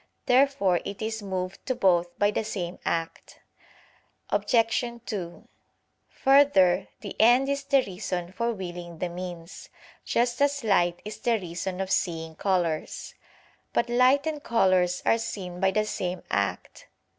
Therefore it is moved to both by the same act. Obj. 2: Further, the end is the reason for willing the means, just as light is the reason of seeing colors. But light and colors are seen by the same act.